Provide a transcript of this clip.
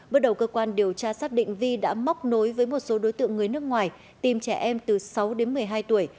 bước đầu cơ quan điều tra xác định vi đã móc nối với một số đối tượng người nước ngoài tìm trẻ em từ sáu đến một mươi hai tuổi